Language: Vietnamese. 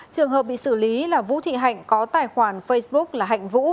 trường hợp bị xử lý là vũ thị hạnh có tài khoản facebook là hạnh vũ